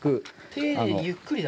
丁寧にゆっくりだ。